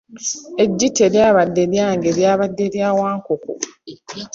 Eggi teryabadde lyange, lyabadde lya Wankoko,